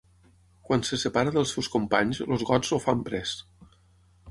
Quan se separa dels seus companys, els gots el fan pres.